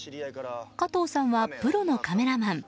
加藤さんはプロのカメラマン。